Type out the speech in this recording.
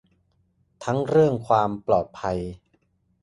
ทั้งเรื่องความปลอดภัย